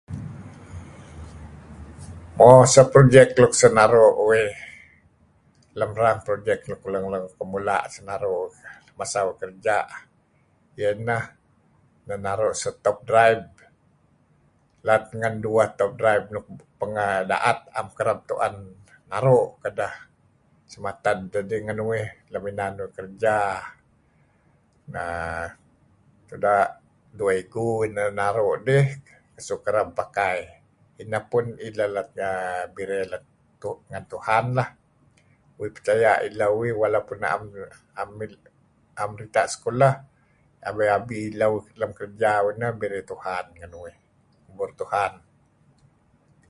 Mo... seh project luk senaru' uih ieh erang project luk leng-leng kenmula' senaru' uih masa uih kereja' ieh ineh nenaru' seh top drive let ngen dueh top drive luk pengeh da'et na'em keren tu'en. Naru' kedeh. Semated deh dih ngen uih lem inan uih kereja. Naa... Tuda', dueh igu uih neh naru' dih, su... kereb pakai. Ineh pun ileh let err... ileh let ngen Tuhan leh. Uih percaya' ileh uih walaupun uih na'em dita' sekulah. Abi-abi ileh uhh lem kereja uhh ineh let ngen Tuhan. Ngubur Tuhan.